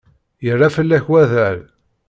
Yerra fell-ak wadal.